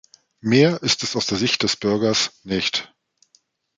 Mehr ist es aus der Sicht des Bürgers nicht.